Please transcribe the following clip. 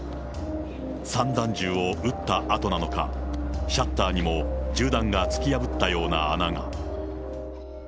散弾銃を撃った跡なのか、シャッターにも銃弾が突き破ったような穴が。